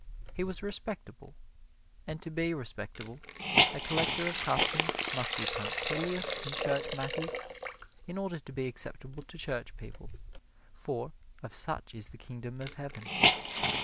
He was respectable; and to be respectable, a Collector of Customs must be punctilious in Church matters, in order to be acceptable to Church people, for of such is the Kingdom of Heaven.